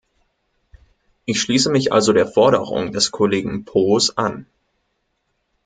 Ich schließe mich also der Forderung des Kollegen Poos an.